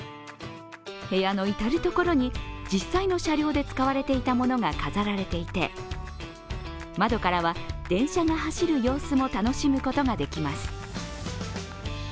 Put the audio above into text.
部屋の至る所に実際の車両で使われていたものが飾られていて、窓からは電車が走る様子も楽しむことができます。